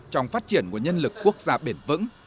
trong phát triển nguồn nhân lực quốc gia bền vững